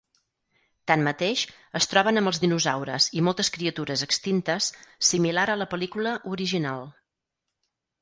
Tanmateix, es troben amb els dinosaures i moltes criatures extintes, similar a la pel·lícula original.